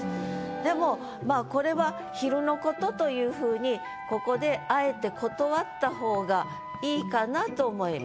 でもまあこれは昼のことという風にここであえて断った方が良いかなと思います。